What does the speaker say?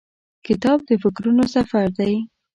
کتاب د فکرونو سفر دی.